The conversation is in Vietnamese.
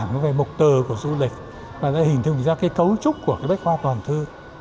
nó về mục tờ của du lịch và sẽ hình thường ra cái cấu trúc của cái bách khoa toàn thư